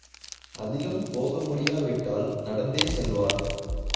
அதிலும் போகமுடியாவிட்டால் நடந்தே செல்வார்.